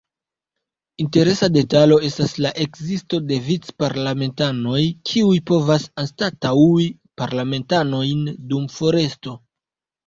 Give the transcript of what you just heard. Interesa detalo estas la ekzisto de "vic-parlamentanoj", kiuj povas anstataŭi parlamentanojn dum foresto.